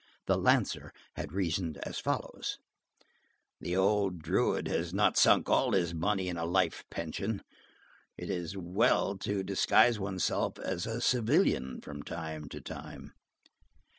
The lancer had reasoned as follows: "The old druid has not sunk all his money in a life pension. It is well to disguise one's self as a civilian from time to time."